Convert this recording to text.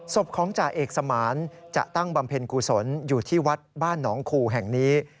ศพของจ่าเอกสมานจะตั้งบำเพ็ญกุศลอยู่ที่วัดบ้านหนองคูแห่งนี้